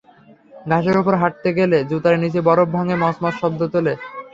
ঘাসের ওপর হাঁটতে গেলে জুতার নিচে বরফ ভাঙে মচমচ শব্দ তোলে।